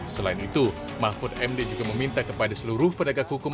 selain itu mahfud md juga meminta kepada seluruh pedagang hukum